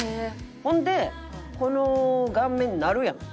ほんでこの顔面になるやん。